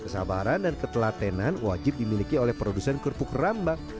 kesabaran dan ketelatenan wajib dimiliki oleh produsen kerupuk rambak